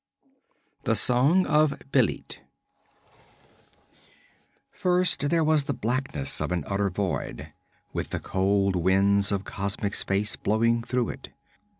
_ THE SONG OF BÊLIT First there was the blackness of an utter void, with the cold winds of cosmic space blowing through it.